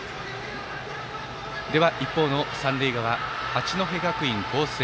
では一方、三塁側の八戸学院光星。